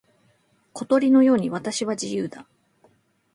小鳥のように私は自由だ。